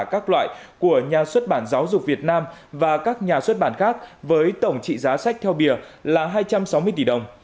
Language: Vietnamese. các loại của nhà xuất bản giáo dục việt nam và các nhà xuất bản khác với tổng trị giá sách theo bìa là hai trăm sáu mươi tỷ đồng